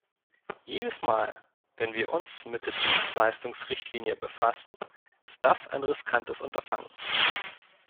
Jedes Mal, wenn wir uns mit der Dienstleistungsrichtlinie befassen, ist das ein riskantes Unterfangen.